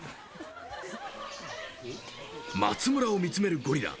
松村を見つめるゴリラ。